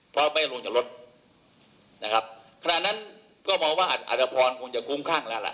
เพราะไม่ลงจากรถนะครับขณะนั้นก็มองว่าอัตภพรคงจะคุ้มข้างแล้วล่ะ